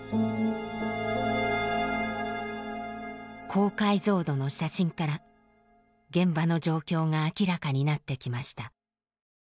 高解像度の写真から現場の状況が明らかになってきました。